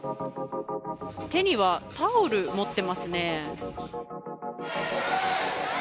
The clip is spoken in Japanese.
手にはタオル持ってますね。